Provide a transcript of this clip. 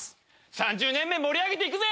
３０年目盛り上げていくぜ！